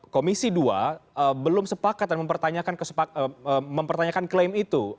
komisi dua belum sepakat dan mempertanyakan klaim itu